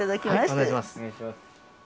お願いします。